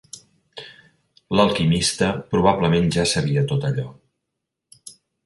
L'alquimista probablement ja sabia tot allò.